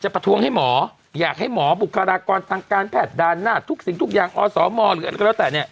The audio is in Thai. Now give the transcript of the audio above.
แผดด้านหน้าทุกสิ่งทุกอย่างอสมหรืออะไรก็แล้วแต่เนี่ย